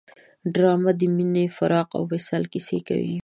ډرامه د مینې، فراق او وصال کیسې کوي